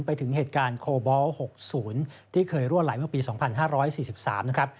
ไปถึงเหตุการณ์โคบอล๖๐ที่เคยรั่วไหลเมื่อปี๒๕๔๓นะครับ